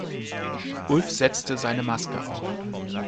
Ulf setzte eine Maske auf.